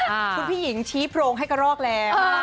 คุณพี่หญิงชี้โพรงให้กระรอกแล้ว